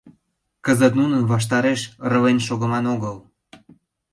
Кызыт нунын ваштареш ырлен шогыман огыл.